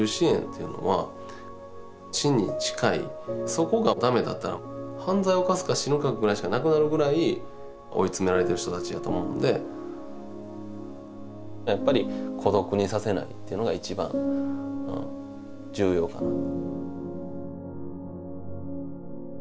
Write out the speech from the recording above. そこが駄目だったら犯罪犯すか死ぬかぐらいしかなくなるぐらい追い詰められてる人たちやと思うのでやっぱり孤独にさせないっていうのが一番重要かな。